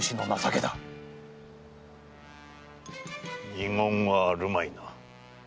二言はあるまいな。